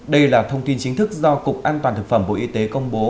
đây là thông tin chính thức do cục an toàn thực phẩm bộ y tế công bố